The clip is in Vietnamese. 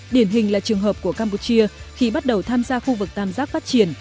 điển hình là trường hợp của campuchia khi bắt đầu tham gia khu vực tam giác phát triển